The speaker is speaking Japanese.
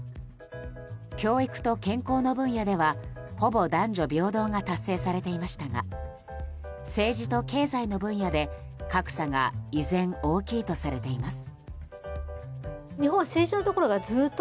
教育と健康の分野ではほぼ男女平等が達成されていましたが政治と経済の分野で格差が依然大きいとされています。